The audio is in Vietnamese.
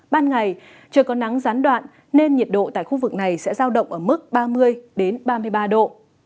ban ngày trời có nắng gián đoạn nên nhiệt độ tại khu vực này sẽ giao động ở mức ba mươi ba mươi ba độ